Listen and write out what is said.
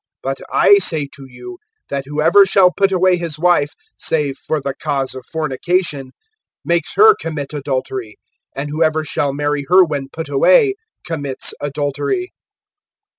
(32)But I say to you, that whoever shall put away his wife, save for the cause of fornication, makes her commit adultery; and whoever shall marry her when put away, commits adultery.